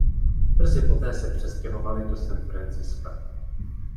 Brzy poté se přestěhovali do San Franciska.